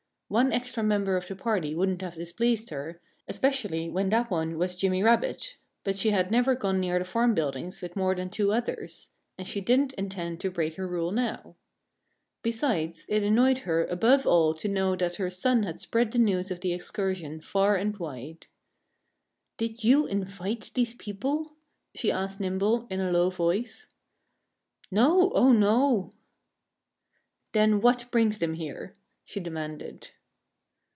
One extra member of the party wouldn't have displeased her, especially when that one was Jimmy Rabbit. But she had never gone near the farm buildings with more than two others. And she didn't intend to break her rule now. Besides, it annoyed her above all to know that her son had spread the news of the excursion far and wide. "Did you invite these people?" she asked Nimble in a low voice. "No! Oh, no!" "Then what brings them here?" she demanded.